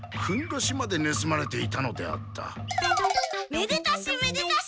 めでたしめでたし。